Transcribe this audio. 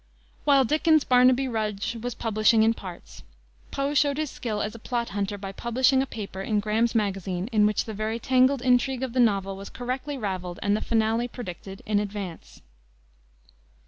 While Dickens's Barnaby Rudge was publishing in parts, Poe showed his skill as a plot hunter by publishing a paper in Graham's Magazine in which the very tangled intrigue of the novel was correctly raveled and the finale predicted in advance.